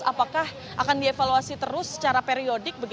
apakah akan dievaluasi terus secara periodik